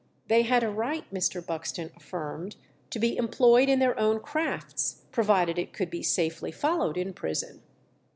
They had a right, Mr. Buxton affirmed, to be employed in their own crafts, provided it could be safely followed in prison.